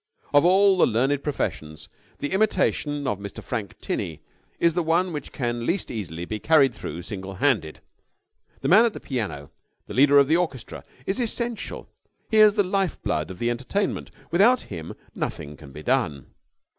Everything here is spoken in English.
Of all the learned professions, the imitation of Mr. Frank Tinney is the one which can least easily be carried through single handed. The man at the piano, the leader of the orchestra, is essential. He is the life blood of the entertainment. Without him, nothing can be done.